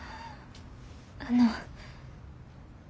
あの。